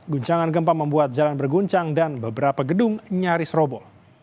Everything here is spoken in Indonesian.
guncangan gempa membuat jalan berguncang dan beberapa gedung nyaris robo